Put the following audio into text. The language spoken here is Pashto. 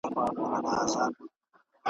شیخه زما او ستا بدي زړه ده له ازله ده ,